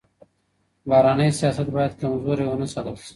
بهرنی سياست بايد کمزوری ونه ساتل سي.